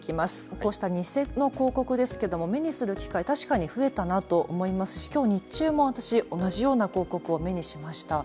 こうした偽の広告ですが目にする機会がたしかに増えたなと思いますしきょう日中も私同じような広告を目にしました。